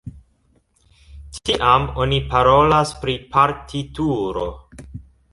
Tiam oni parolas pri partituro.